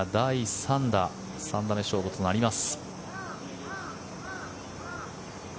３打目勝負となります。